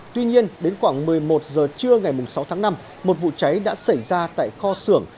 tuy nhiên đến khoảng một mươi một giờ trưa ngày sáu tháng năm một vụ cháy đã xảy ra tại kho xưởng